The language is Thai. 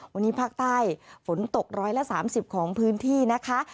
วันนี้ภาคใต้ฝนตกร้อยละ๓๐ของพื้นที่นะคะ